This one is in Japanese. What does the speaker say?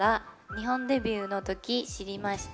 日本デビューのとき知りました。